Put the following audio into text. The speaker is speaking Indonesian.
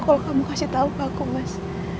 kalau kamu kasih tahu ke aku mas